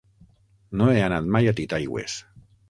No he anat mai a Titaigües.